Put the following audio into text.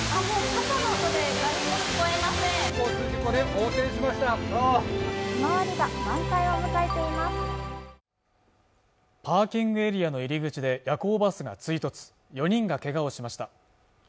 パーキングエリアの入り口で夜行バスが追突４人がけがをしました